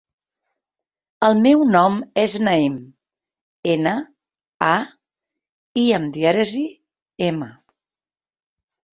El meu nom és Naïm: ena, a, i amb dièresi, ema.